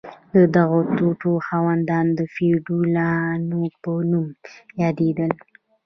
د دغو ټوټو خاوندان د فیوډالانو په نوم یادیدل.